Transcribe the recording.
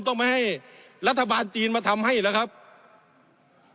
ต้องมาให้รัฐบาลจีนมาทำให้เหล่ะท่านประธานครับ